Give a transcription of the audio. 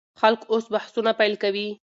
خلک اوس بحثونه پیل کوي.